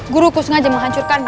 guruku sengaja menghancurkannya